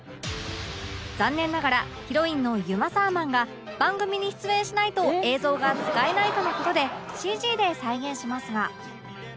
残念ながらヒロインのユマ・サーマンが番組に出演しないと映像が使えないとの事で ＣＧ で再現しますが